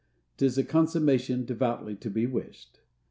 "'Tis a consummation devoutly to be wished."